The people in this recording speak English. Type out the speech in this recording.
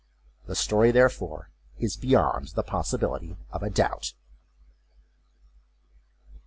The story, therefore, is beyond the possibility of doubt.